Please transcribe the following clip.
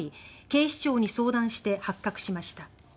警視庁に相談して発覚しました。